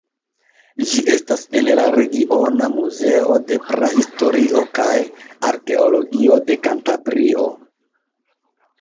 Ĝi estas en la Regiona Muzeo de Prahistorio kaj Arkeologio de Kantabrio.